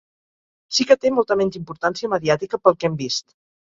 Sí que té molta menys importància mediàtica, pel que hem vist.